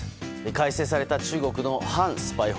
改正された中国の反スパイ法。